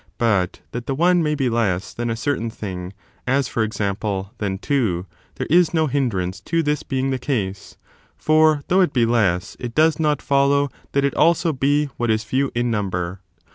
But that the one may be less than a certain thing — as, for example, than two — there is no hindrance to this being the case ; for though it be less, it does not follow that it also be what is few in number.